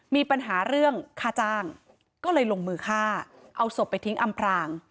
มีปัญหาเรื่องค่าจ้างก็เลยลงมือฆ่าเอาศพไปทิ้งอำพราง